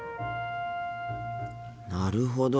なるほど。